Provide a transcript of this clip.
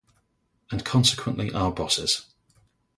And consequently our bosses.